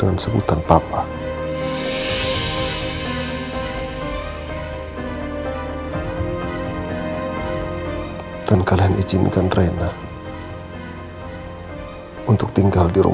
aku hanya ingin rena tahu